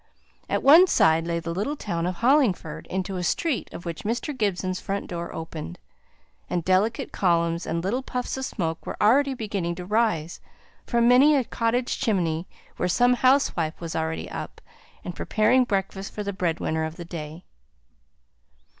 At one side lay the little town of Hollingford, into a street of which Mr. Gibson's front door opened; and delicate columns, and little puffs of smoke were already beginning to rise from many a cottage chimney where some housewife was already up, and preparing breakfast for the bread winner of the family.